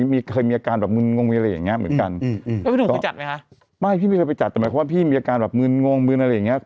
ไม่พี่หนุ่มไปจัดแต่หมายความว่าพี่มีอาการแบบมืนงงมืนอะไรอย่างนี้